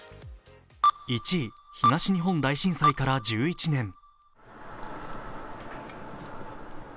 １位、東日本大震災から１１年。